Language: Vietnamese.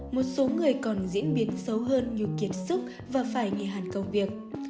một số người còn diễn biến xấu hơn như kiệt sức và phải nghề hàn công việc